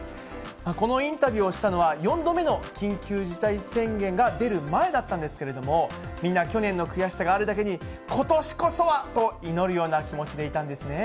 このインタビューをしたのは、４度目の緊急事態宣言が出る前だったんですけれども、みんな、去年の悔しさがあるだけに、ことしこそはと祈るような気持ちでいたんですね。